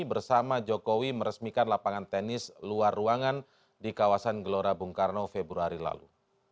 bersama jokowi meresmikan lapangan tenis luar ruangan di kawasan gelora bung karno februari lalu